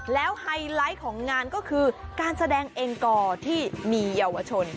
แล้วไฮไลท์ของงานก็คือการแสดงเองกอร์ที่มีเยาวชน